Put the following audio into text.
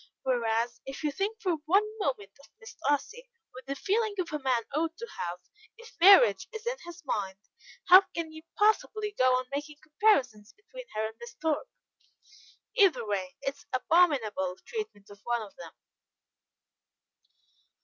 Whereas, if you think for one moment of Miss Darcy with the feelings a man ought to have, if marriage is in his mind, how can you possibly go on making comparisons between her and Miss Thorpe? Either way, it is abominable treatment of one of them."